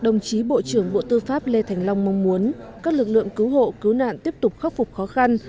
đồng chí bộ trưởng bộ tư pháp lê thành long mong muốn các lực lượng cứu hộ cứu nạn tiếp tục khắc phục khó khăn